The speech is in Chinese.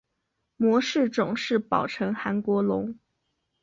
模式种是宝城韩国龙。